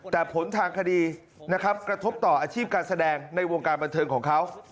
แต่ผลทางคดีนะครับกระทบต่ออาชีพการแสดงในวงการบันเทิงของเขา